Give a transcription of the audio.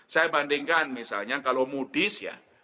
saya bandingkan misalnya kalau mudis ya